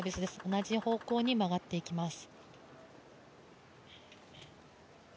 同じ方向に曲がっていきます。